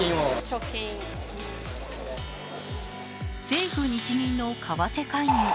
政府・日銀の為替介入。